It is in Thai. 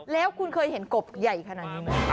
แล้วคุณเคยเห็นกบใหญ่ขนาดนี้ไหม